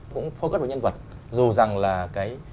cũng focus vào nhân vật dù rằng là cái